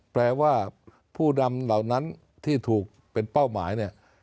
แปลว่าผู้นำเหล่านั้นที่ถูกเป็นเป้าหมายเนี่ย